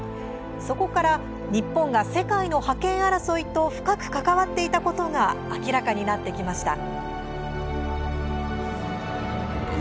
そこから日本が世界の覇権争いと深く関わっていたことが明らかになってきました。